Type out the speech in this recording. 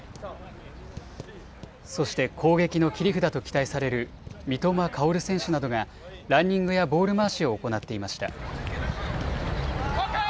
そして、攻撃の切り札と期待される三笘薫選手などがランニングやボール回しを行っていました。